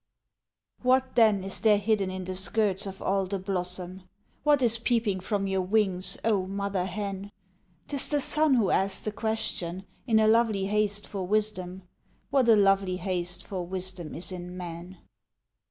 What, then, is there hidden in the skirts of all the blossom? What is peeping from your wings, oh mother hen? 'Tis the sun who asks the question, in a lovely haste for wisdom; What a lovely haste for wisdom is in men!